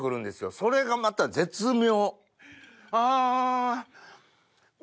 それがまた絶妙。